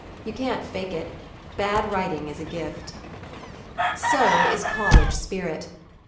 "You can't fake it. Bad writing is a gift." So is college spirit.